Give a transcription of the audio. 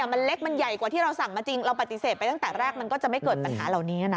มันเล็กมันใหญ่กว่าที่เราสั่งมาจริงเราปฏิเสธไปตั้งแต่แรกมันก็จะไม่เกิดปัญหาเหล่านี้นะ